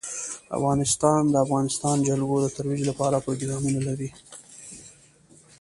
افغانستان د د افغانستان جلکو د ترویج لپاره پروګرامونه لري.